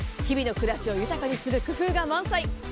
日々の暮らしを豊かにする工夫が満載。